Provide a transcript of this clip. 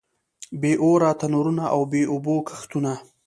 بې اوره تنورونه او بې اوبو کښتونه.